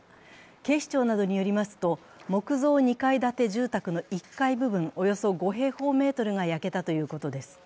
警視庁などによりますと、木造２階建ての１階部分およそ５平方メートルが焼けたということです。